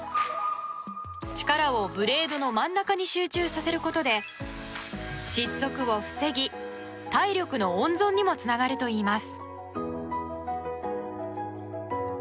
力をブレードの真ん中に集中させることで失速を防ぎ、体力の温存にもつながるといいます。